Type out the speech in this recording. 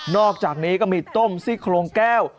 อกจากนี้ก็มีต้มซี่โครงแก้ว